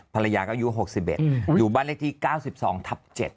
ภรรยาก็อายุ๖๑อยู่บ้านเลขที่๙๒ทับ๗